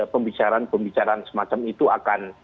pembicaraan pembicaraan semacam itu akan